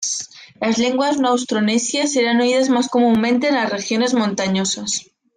Las lenguas no-austronesias eran oídas más comúnmente en las regiones montañosas.